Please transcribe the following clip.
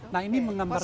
nah ini mengambarkan